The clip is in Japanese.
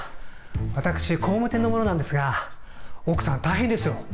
私、工務店の者なんですが、奥さん大変ですよ。